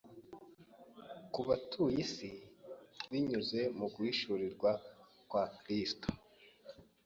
ku batuye isi binyuze mu guhishurwa kwa Kristo.